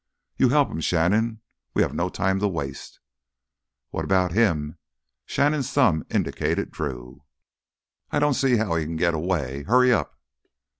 "You help him, Shannon. We have no time to waste." "What about him?" Shannon's thumb indicated Drew. "I don't see how he can get away. Hurry up!"